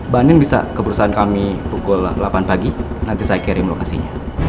banin bisa ke perusahaan kami pukul delapan pagi nanti saya kirim lokasinya